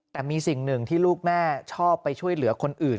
แต่มีสิ่งหนึ่งที่ลูกแม่ชอบไปช่วยเหลือคนอื่น